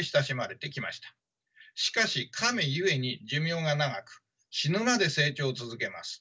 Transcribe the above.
しかしカメ故に寿命が長く死ぬまで成長を続けます。